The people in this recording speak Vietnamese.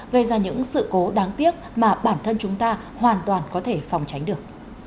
gây ra những sự cố đáng tiếc mà bản thân chúng ta hoàn toàn có thể phòng tránh được